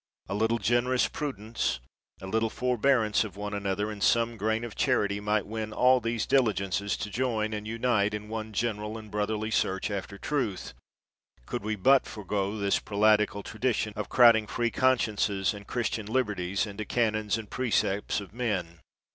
A little generous prudence, a little forbearance of one another, and some grain of charity might win all these diligences to join, and unite in one gen eral and brotherly search after Truth, could we but forego this prelatical tradition of crowding free consciences and Christian liberties into canons and precepts of men.